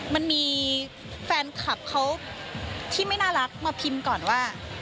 มันมีแฟนคลับเขาที่ไม่น่ารักมาพิมพ์ก่อนว่า